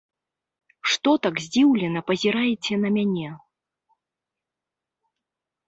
Што так здзіўлена пазіраеце на мяне?